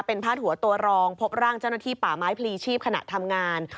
เป็นพาดหัวตัวรองพบร่างเจ้าหน้าที่ป่าไม้พลีชีพขณะทำงาน